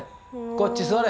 こっち座れ。